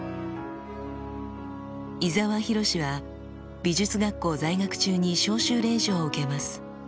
伊澤洋は美術学校在学中に召集令状を受けます。